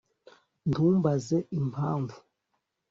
Ntumbaze impamvu